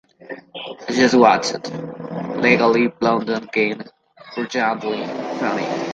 Just watched Legally Blonde again: brilliantly funny!